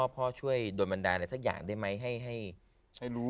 พ่อช่วยโดนบันดาลอะไรสักอย่างได้ไหม